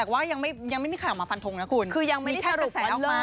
คือยังไม่ได้สรุปว่าเลิก๑๐